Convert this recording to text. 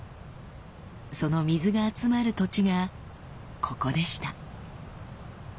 その水が集まる土地がここでした。